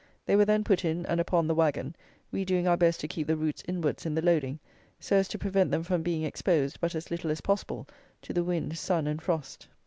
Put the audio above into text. They were then put in and upon the wagon, we doing our best to keep the roots inwards in the loading, so as to prevent them from being exposed but as little as possible to the wind, sun, and frost.